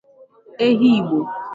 Ehi Igbo